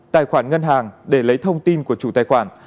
tài khoản ngân hàng để lấy thông tin của chủ tài khoản